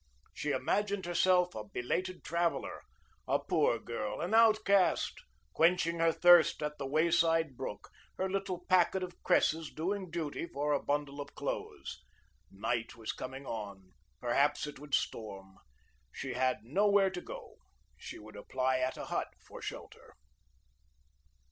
She imagined herself a belated traveller, a poor girl, an outcast, quenching her thirst at the wayside brook, her little packet of cresses doing duty for a bundle of clothes. Night was coming on. Perhaps it would storm. She had nowhere to go. She would apply at a hut for shelter.